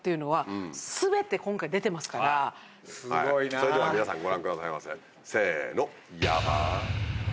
それでは皆さんご覧くださいませ。